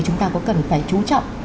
chúng ta có cần phải chú trọng